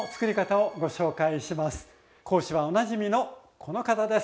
講師はおなじみのこの方です。